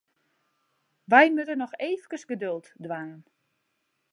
Wy moatte noch eefkes geduld dwaan.